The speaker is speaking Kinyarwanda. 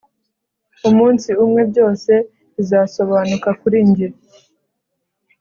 Umunsi umwe byose bizasobanuka kuri njye